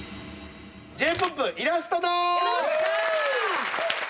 Ｊ−ＰＯＰイラストドン！